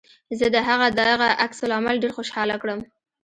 زه د هغه دغه عکس العمل ډېر خوشحاله کړم